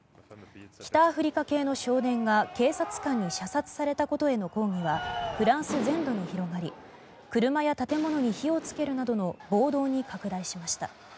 北アフリカ系の少年が警察官に射殺されたことによる抗議はフランス全土に広がり車や建物に火をつけるなどの暴動に拡大しました。